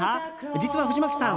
実は藤牧さん